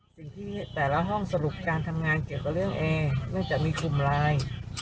สิ่งที่แต่ละห้องสรุปการทำงานเกี่ยวกับเรื่องเอน่าจะมีคุมลาย